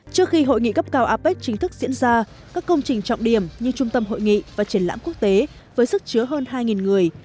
trước khi hội nghị cấp cao apec chính thức diễn ra các công trình trọng điểm như trung tâm hội nghị và triển lãm quốc tế với sức chứa hơn hai người